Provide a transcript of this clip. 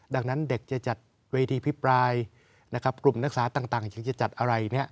ดังนั้นเด็กจะจัดเวทีพิปรายนะครับกลุ่มนักศึกษาต่างถึงจะจัดอะไร